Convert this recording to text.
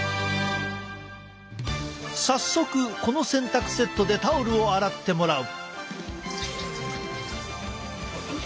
早速この洗濯セットでタオルを洗ってもらう。